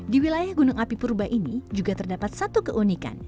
di wilayah gunung api purba ini juga terdapat satu keunikan